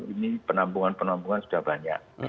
ini penampungan penampungan sudah banyak